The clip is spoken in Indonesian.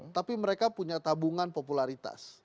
tapi mereka punya tabungan popularitas